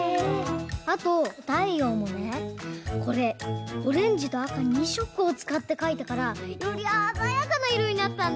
あとたいようもねこれオレンジとあか２しょくをつかってかいたからよりあざやかないろになったんだ！